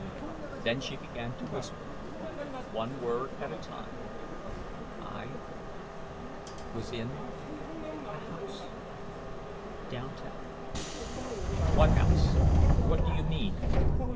Then she began to whisper, one word at a time: "I—was in—a house—downtown—" "What house? What do you mean?"